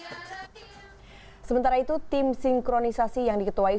setelah resmi menerima tongkat sekaligus silaturahmi dengan relawan pasangan anisandi di jakarta timur